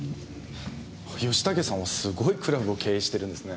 吉武さんはすごいクラブを経営してるんですね。